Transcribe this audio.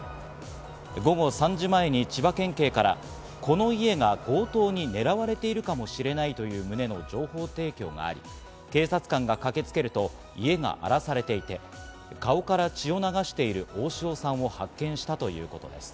午後３時前に千葉県警から、この家が強盗にねらわれているかもしれないという旨の情報提供があり、警察官が駆けつけると家が荒らされていて、顔から血を流している大塩さんを発見したということです。